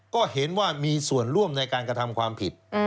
ก็เห็นว่ามีส่วนร่วมในการกระทำความผิด